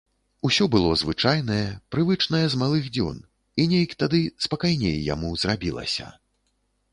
Усё было звычайнае, прывычнае з малых дзён, і нейк тады спакайней яму зрабілася.